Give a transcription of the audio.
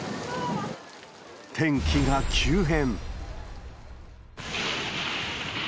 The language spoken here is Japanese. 天気が急変。